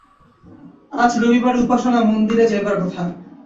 আজ রবিবারে উপাসনা-মন্দিরে যাইবার কথা।